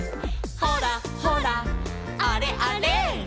「ほらほらあれあれ」